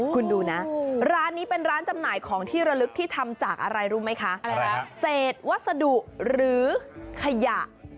คุณดูนะร้านนี้เป็นร้านจำหน่ายของที่ระลึกที่ทำจากอะไรรู้ไหมคะเศษวัสดุหรือขยะ